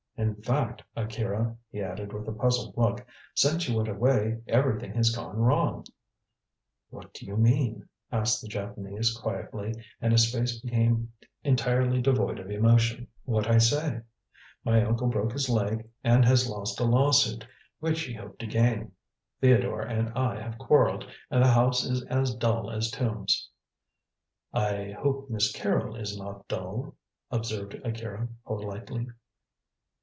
"In fact, Akira," he added, with a puzzled look, "since you went away everything has gone wrong." "What do you mean?" asked the Japanese quietly, and his face became entirely devoid of emotion. "What I say. My uncle broke his leg and has lost a lawsuit, which he hoped to gain. Theodore and I have quarrelled, and the house is as dull as tombs." "I hope Miss Carrol is not dull?" observed Akira politely.